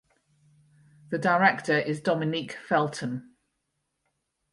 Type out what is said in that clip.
The director is Dominique Felten.